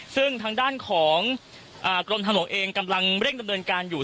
ซึ่งทางด้านของกรมทางหลวงเองกำลังเร่งดำเนินการอยู่